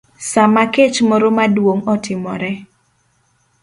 Sama kech moro maduong' otimore,